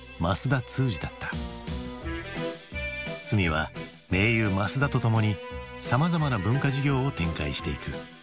堤は盟友増田とともにさまざまな文化事業を展開していく。